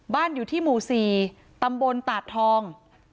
บ้านอยู่ที่หมู่๔ตำบลตาดทอง